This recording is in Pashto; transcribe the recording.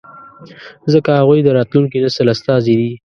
ځکه هغوی د راتلونکي نسل استازي دي.